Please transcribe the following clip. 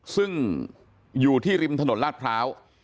ซึ่งอยู่ที่ริมถนนลาดพร้าว